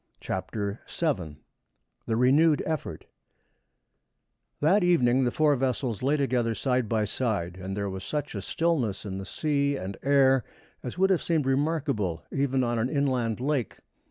CHAPTER VII THE RENEWED EFFORT That evening the four vessels lay together side by side, and there was such a stillness in the sea and air as would have seemed remarkable even on an inland lake.